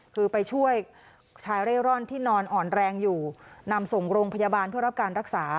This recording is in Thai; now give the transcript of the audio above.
คือไปช่วยชายเร่ร่อนที่นอนอ่อนแรงอยู่นำส่งโรงพยาบาลเพื่อรับการรักษา